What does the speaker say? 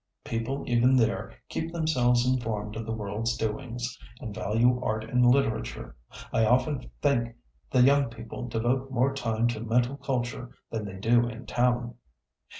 People even there keep themselves informed of the world's doings, and value art and literature. I often think the young people devote more time to mental culture than they do in town."